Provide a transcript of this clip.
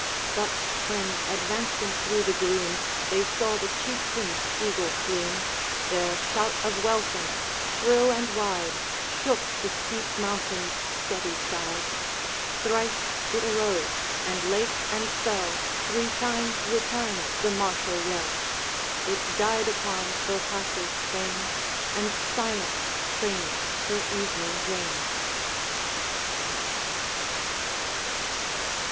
But when, advancing through the gloom, They saw the Chieftain's eagle plume, Their shout of welcome, shrill and wide, Shook the steep mountain's steady side. Thrice it arose, and lake and fell Three times returned the martial yell; It died upon Bochastle's plain, And Silence claimed her evening reign.